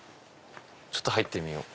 ちょっと入ってみよう。